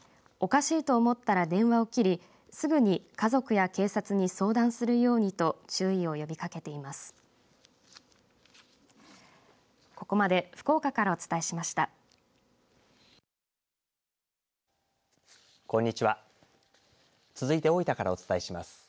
おかしいと思ったら電話を切りすぐに家族や警察に相談するようにと注意を呼びかけています。